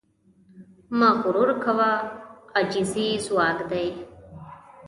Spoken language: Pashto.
مه غرور کوه، عاجزي ځواک دی.